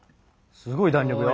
すごい弾力よ。